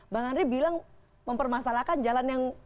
bang andri bilang mempermasalahkan jalan yang